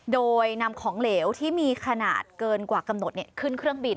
โดยนำของเหลวที่มีขนาดเกินกว่ากำหนดขึ้นเครื่องบิน